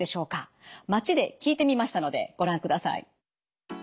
街で聞いてみましたのでご覧ください。